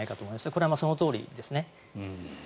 これはそのとおりですね。